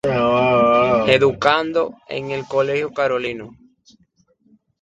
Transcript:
Educado en el Colegio Carolino.